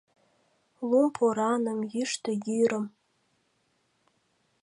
Лум-пораным, йÿштö йÿрым